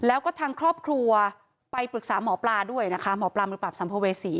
แล้วก็ทางครอบครัวไปปรึกษาหมอปลาด้วยนะคะหมอปลามือปราบสัมภเวษี